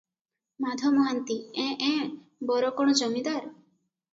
ମାଧ ମହାନ୍ତି- ଏଁ- ଏଁ ବର କଣ ଜମିଦାର?